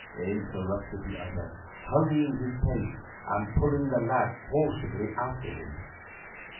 interrupted the other, hurrying his pace, and pulling the lad forcibly after him.